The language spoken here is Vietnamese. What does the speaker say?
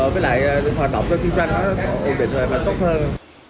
với lại hoạt động kinh doanh nó ổn định hơn và tốt hơn